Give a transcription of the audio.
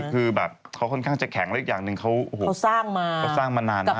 คือแบบเขาค่อนข้างจะแข็งแล้วอีกอย่างหนึ่งเขาสร้างมานานมาก